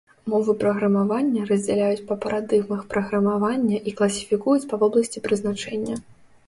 Мовы праграмавання раздзяляюць па парадыгмах праграмавання і класіфікуюць па вобласці прызначэння.